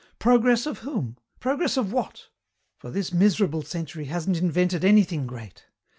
Progress of whom? Progress of what? For this miserable century hasn't invented anything great.